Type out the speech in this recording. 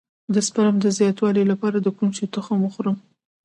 د سپرم د زیاتوالي لپاره د کوم شي تخم وخورم؟